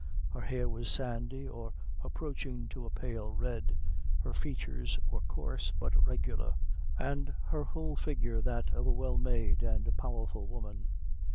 Her hair was sandy, or approaching to a pale red; her features were coarse, but regular; and her whole figure that of a well made and powerful woman.